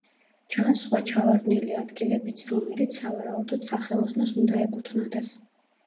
ჩანს სხვა ჩავარდნილი ადგილებიც, რომელიც, სავარაუდოდ, სახელოსნოს უნდა ეკუთვნოდეს.